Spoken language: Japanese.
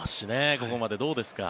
ここまでどうですか？